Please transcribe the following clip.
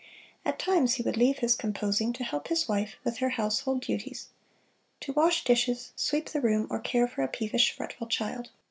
At times he would leave his composing to help his wife with her household duties to wash dishes, sweep the room or care for a peevish, fretful child.